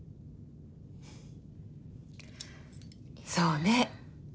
そうね。